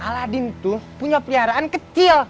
aladin tuh punya peliharaan kecil